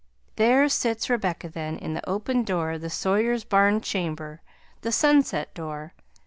There sits Rebecca, then, in the open door of the Sawyers barn chamber the sunset door.